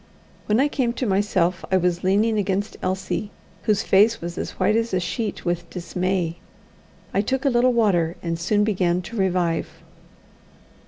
When I came to myself I was leaning against Elsie, whose face was as white as a sheet with dismay. I took a little water and soon began to revive.